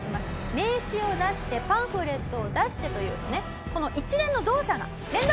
名刺を出してパンフレットを出してというねこの一連の動作が面倒くさい！